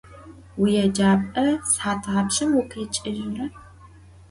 Vuiêcap'e sıhat thapşşım vukhiç'ıjıre?